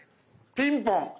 ピンポン！